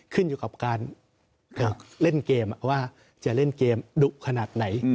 ขึ้นอยู่กับการเล่นเกมว่าจะเล่นเกมดุขนาดไหน